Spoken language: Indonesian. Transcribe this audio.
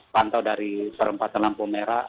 pantau dari perempatan lampu merah